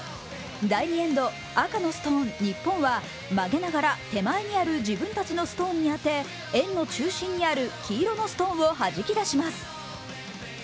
第２エンド、赤のストーン・日本は曲げながら手前にある自分たちのストーンに当て円の中心にある黄色のストーンをはじき出します。